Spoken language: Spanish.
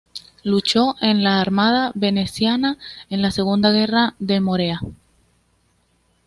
Luchó en la armada veneciana en la Segunda Guerra de Morea.